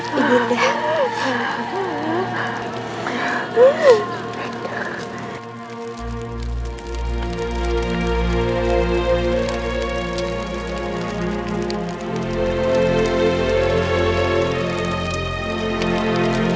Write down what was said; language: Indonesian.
kau demander barang dari syariah perdama berb combo bahkan duitnya